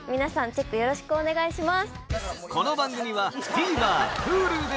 チェックよろしくお願いします。